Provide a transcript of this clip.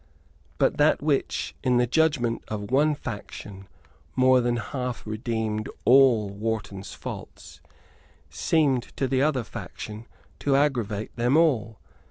But that which, in the judgment of one faction, more than half redeemed all Wharton's faults, seemed to the other faction to aggravate them all.